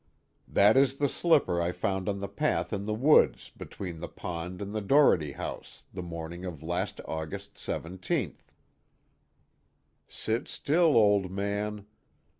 "That is the slipper I found on the path in the woods, between the pond and the Doherty house, the morning of last August 17th." _Sit still, Old Man!